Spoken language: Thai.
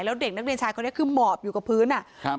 แล้วเด็กนักเรียนชายคนนี้คือหมอบอยู่กับพื้นอ่ะครับ